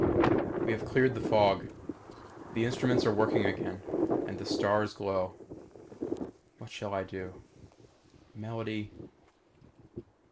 We have cleared the fog. The instruments are working again. Again the stars glow. What shall I do. _Melody....